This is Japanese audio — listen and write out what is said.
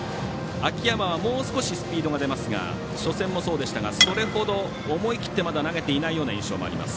秋山はもう少しスピードが出ますが初戦もそうですがそれほど思い切ってまだ投げていないような印象もあります。